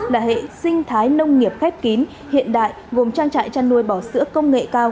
là hệ sinh thái nông nghiệp khép kín hiện đại gồm trang trại chăn nuôi bò sữa công nghệ cao